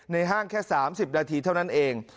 ห้างแค่๓๐นาทีเท่านั้นเอง